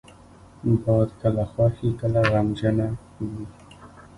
باد کله خوښ وي، کله غمجنه وي